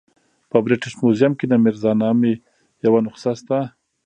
په برټش میوزیم کې د میرزا نامې یوه نسخه شته.